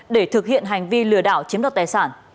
để thực hiện hành vi lừa đảo chiếm đoạt tài sản